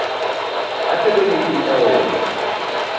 Atedo gi pii aora